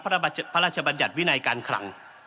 พระราชบัญญัติวินัยการคลัง